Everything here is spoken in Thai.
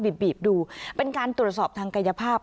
บีบดูเป็นการตรวจสอบทางกายภาพ